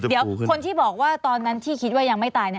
เดี๋ยวคนที่บอกว่าตอนนั้นที่คิดว่ายังไม่ตาย